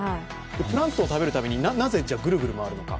プランクトンを食べるためになぜぐるぐる回るのか。